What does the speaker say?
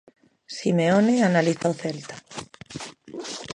Simeone analiza o Celta.